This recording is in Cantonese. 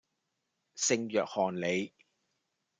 聖約翰里